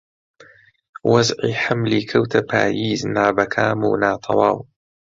وەزعی حەملی کەوتە پاییز نابەکام و ناتەواو